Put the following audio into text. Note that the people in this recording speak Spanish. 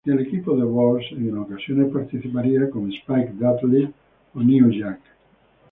El equipo de Balls en ocasiones participaría con Spike Dudley o New Jack.